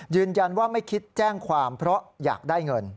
ยืนยันว่าไม่คิดแจ้งความเพราะอยากได้เงิน